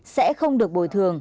sẽ không được bồi thường